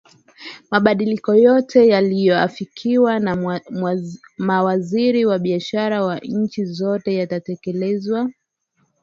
Makubaliano yote yaliyoafikiwa na mawaziri wa Biashara wa nchi zote yanatekelezwa